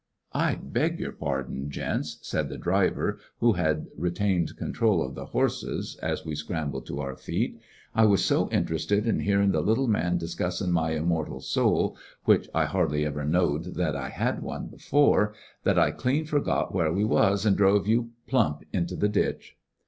*'I beg your pardon, gents," said the driver, who had retained control of the horses, as we scrambled to our feet "I was so interested in hearin' the little man discussin' my immortial soul— w'ich I hardly ever knowed that I had one before— that I clean forgot where we was, an' drove you plump into the ditch